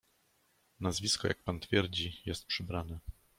"Nazwisko, jak pan twierdzi, jest przybrane."